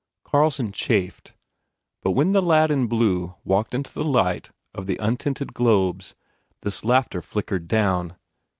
Carlson chafed, but when the lad in blue walked into the light of the untinted globes, this laughter flickered down.